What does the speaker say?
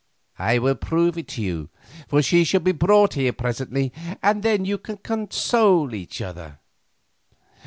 I will prove it to you, for she shall be brought here presently and then you can console each other.